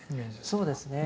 そうですね。